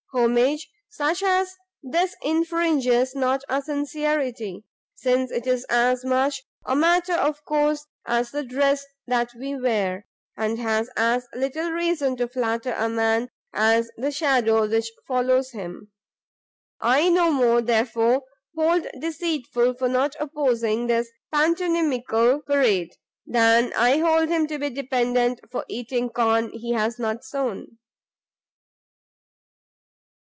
Homage such as this infringes not our sincerity, since it is as much a matter of course as the dress that we wear, and has as little reason to flatter a man as the shadow which follows him. I no more, therefore, hold him deceitful for not opposing this pantomimical parade, than I hold him to be dependent for eating corn he has not sown."